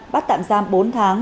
bắt tạm giam bốn tháng